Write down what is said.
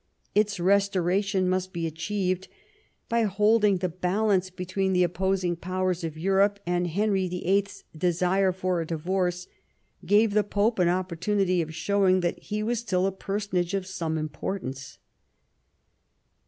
Its restoration must be achieved by holding the balance between the opposing Powers of Europe, and Henry VUL's desire for a divorce gave the Pope an opportunity of showing that he was still a per sonage of some importance.